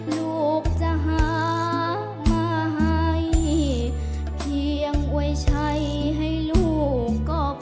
ลูกจะหามาให้เพียงไว้ใช้ให้ลูกก็พอ